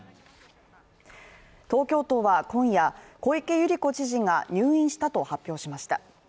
東京都は今夜、小池百合子知事が入院したと発表しました。